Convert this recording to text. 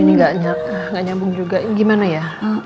ini nggak nyambung juga gimana ya